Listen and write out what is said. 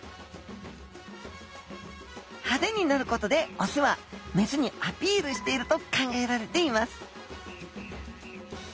派手になることでオスはメスにアピールしていると考えられています